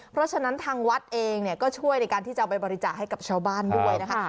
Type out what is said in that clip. เพราะฉะนั้นทางวัดเองก็ช่วยในการที่จะเอาไปบริจาคให้กับชาวบ้านด้วยนะคะ